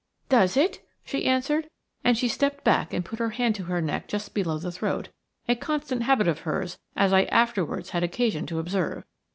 "Does it?" she answered, and she stepped back and put her hand to her neck just below the throat – a constant habit of hers, as I afterwards had occasion to observe.